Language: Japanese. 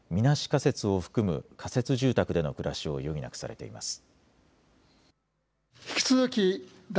仮設を含む仮設住宅での暮らしを余儀なくされています。